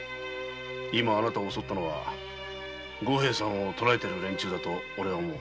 今あなたを襲ったのは五平さんを捕えている連中だと俺は思う。